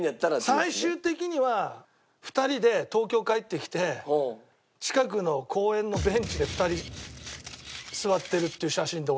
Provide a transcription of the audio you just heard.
最終的には２人で東京帰ってきて近くの公園のベンチで２人座ってるっていう写真で収まったの。